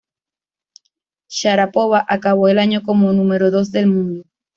Sharápova acabó el año como número dos del mundo.